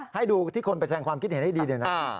ให้ดูที่คนไปแสงความคิดเห็นให้ดีเลยนะ